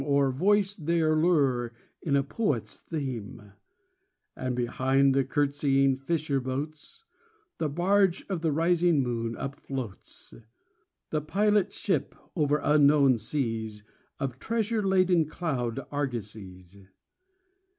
Or voice their lure in a poet's theme ! And behind the curtseying fisher boats The barge of the rising moon upfloats, The pilot ship over unknown seas Of treasure laden cloud argosies.